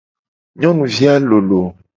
Nyonuvi a lolo.